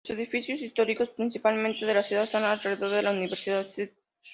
Los edificios históricos principales de la ciudad están alrededor de la universidad de St.